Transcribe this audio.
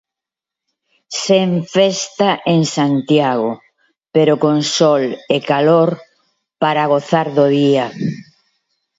Sen festa en Santiago, pero con sol e calor para gozar do día.